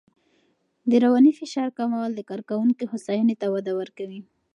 د رواني فشار کمول د کارکوونکو هوساینې ته وده ورکوي.